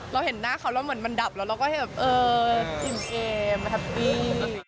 เราเห็นหน้าเขาแล้วเหมือนมันดับแล้วเราก็แบบเอออินเกมฮะทะพี